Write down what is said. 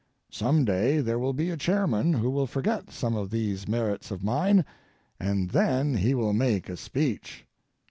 Some day there will be a chairman who will forget some of these merits of mine, and then he will make a speech.